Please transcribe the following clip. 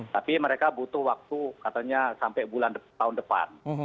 tapi mereka butuh waktu katanya sampai bulan tahun depan